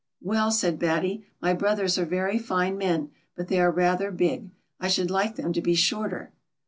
" Well," said Batty, " my brothers are very fine men, but they are rather big. I should like them to be shorter."